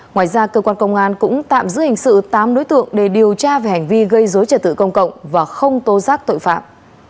ngoài ra cơ quan công an cũng tạm giữ hình sự tám đối tượng để điều tra về hành vi gây dối trật tự công cộng và không tố giác tội phạm